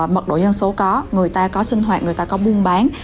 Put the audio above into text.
mật độ dân số có người ta có sinh hoạt người ta có buôn bán